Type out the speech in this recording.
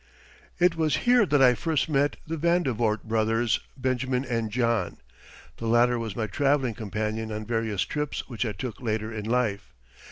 It was here that I first met the Vandevort brothers, Benjamin and John. The latter was my traveling companion on various trips which I took later in life.